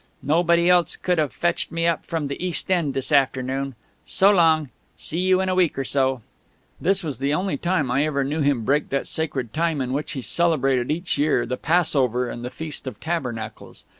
Nobody else could have fetched me up from the East End this afternoon.... So long; see you in a week or so " This was the only time I ever knew him break that sacred time in which he celebrated each year the Passover and the Feast of Tabernacles.